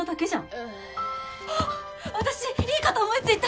うう私いいこと思いついた！